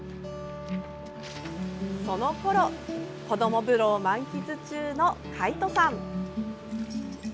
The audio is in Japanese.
そのころこどもぶろを満喫中の海翔さん。